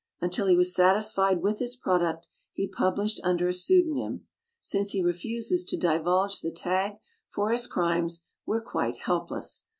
Until he was satisfied with his product, he published under a pseudonym. Since he refuses to divulge the tag for his crimes, we're quite helpless.